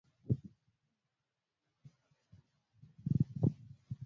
Kifuja nodhi nyime gichiwo paro.